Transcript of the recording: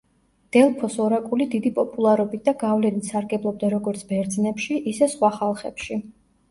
დელფოს ორაკული დიდი პოპულარობით და გავლენით სარგებლობდა როგორც ბერძნებში, ისე სხვა ხალხებში.